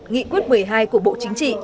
nghị quyết một mươi hai của bộ chính trị